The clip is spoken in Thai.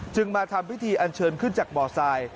มาทำพิธีอันเชิญขึ้นจากบ่อทราย